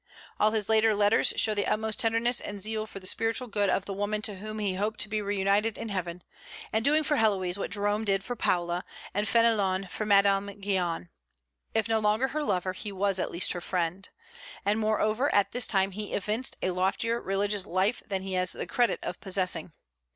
All his later letters show the utmost tenderness and zeal for the spiritual good of the woman to whom he hoped to be reunited in heaven, and doing for Héloïse what Jerome did for Paula, and Fénelon for Madame Guyon. If no longer her lover, he was at least her friend. And, moreover, at this time he evinced a loftier religious life than he has the credit of possessing.